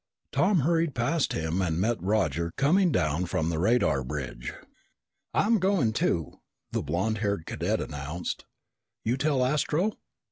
Tom hurried past him and met Roger coming down from the radar bridge. "I'm going too!" the blond haired cadet announced. "You tell Astro?"